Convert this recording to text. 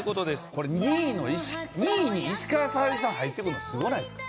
これ２位に石川さゆりさん入ってくるのすごないですか？